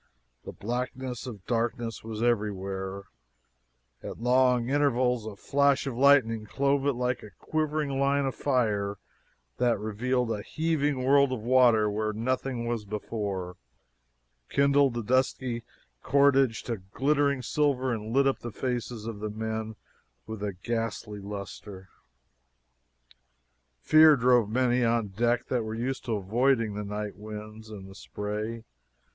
The blackness of darkness was everywhere. At long intervals a flash of lightning clove it with a quivering line of fire that revealed a heaving world of water where was nothing before, kindled the dusky cordage to glittering silver, and lit up the faces of the men with a ghastly luster! Fear drove many on deck that were used to avoiding the night winds and the spray.